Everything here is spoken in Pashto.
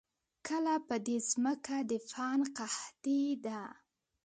کله په دې زمکه د فن قحطي ده